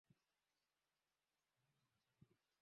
kuchukuwa uamuzi haraka kuliko hizo nchi zingi